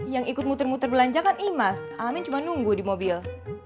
yang ikut muter muter belanja kan imas amin cuma nunggu di mobil